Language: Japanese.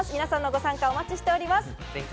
皆さんのご参加をお待ちしております。